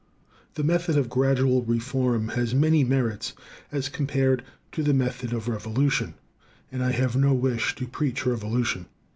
The method of gradual reform has many merits as compared to the method of revolution, and I have no wish to preach revolution.